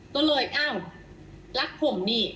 ต้นเลยเอ้ารักผมด้วยนะ